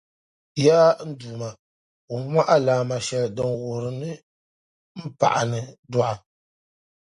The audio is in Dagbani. Yaa n Duuma! Wuhimi ma alaama shεli din wuhiri ni m paɣani dɔɣi